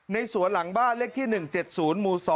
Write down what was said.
สวนหลังบ้านเลขที่๑๗๐หมู่๒